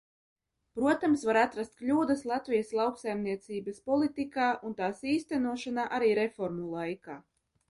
Protams, var atrast kļūdas Latvijas lauksaimniecības politikā un tās īstenošanā arī reformu laikā.